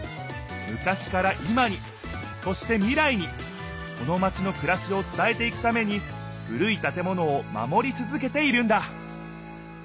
昔から今にそして未来にこのマチのくらしを伝えていくために古い建物を守り続けているんだ